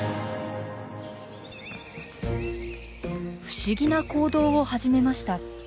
不思議な行動を始めました。